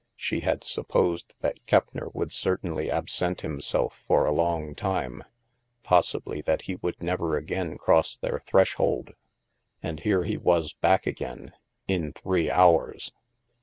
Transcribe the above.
She had supposed that Keppner would certainly absent himself for a long time — possibly that he would never again cross their threshold. And here he was back again, in three hours